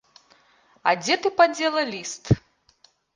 А дзе ты падзела ліст?